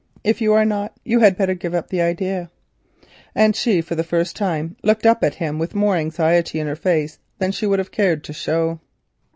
If you are not, you had better give up the idea," and for the first time she looked up at him with more anxiety in her face than she would have cared to show.